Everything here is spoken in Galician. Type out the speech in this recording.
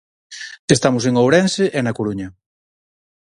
Estamos en Ourense e Na Coruña.